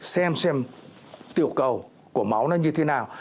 xem xem tiểu cầu của máu nó như thế nào